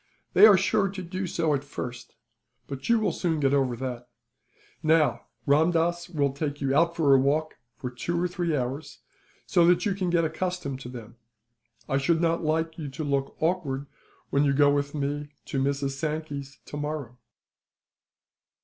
"They are sure to do so, at first; but you will soon get over that. Now, Ramdass will take you out for a walk for two or three hours, so that you can get accustomed to them. I should not like you to look awkward, when you go with me to Mrs. Sankey's, tomorrow."